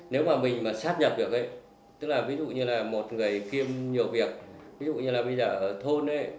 nếu mà mình mà sắp nhập được ấy tức là ví dụ như là một người kiêm nhiều việc ví dụ như là bây giờ ở thôn ấy